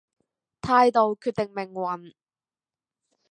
態度決定命運